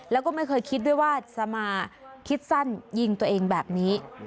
แล้วก็ไม่เคยคิดด้วยว่าสมาคิดสั้นยิงตัวเองแบบนี้